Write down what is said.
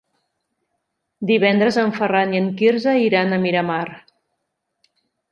Divendres en Ferran i en Quirze iran a Miramar.